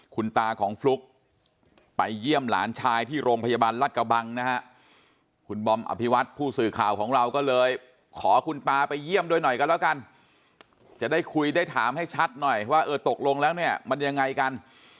คุณตาของฟลุ๊กไปเยี่ยมหลานชายที่โรงพยาบาลรัฐกระบังนะฮะคุณบอมอภิวัตผู้สื่อข่าวของเราก็เลยขอคุณตาไปเยี่ยมด้วยหน่อยกันแล้วกันจะได้คุยได้ถามให้ชัดหน่อยว่าเออตกลงแล้วเนี่ยมันยังไงกัน